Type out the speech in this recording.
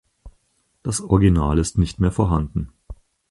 Das Original ist nicht mehr vorhanden.